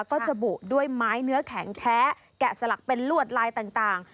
ก็จะบุด้วยไม้เนื้อแข็งแท้แกะสลักเป็นลวดลายต่าง